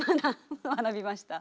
学びました？